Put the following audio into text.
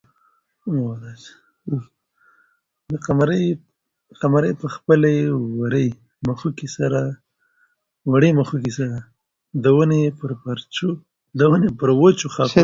قمرۍ په خپلې وړې مښوکې سره د ونې پر وچو ښاخونو توازن ساته.